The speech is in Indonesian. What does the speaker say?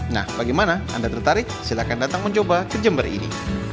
nah bagaimana anda tertarik silahkan datang mencoba ke jember ini